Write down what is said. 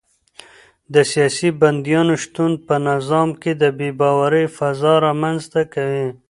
د سیاسي بندیانو شتون په نظام کې د بې باورۍ فضا رامنځته کوي.